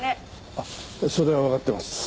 あっそれはわかっています。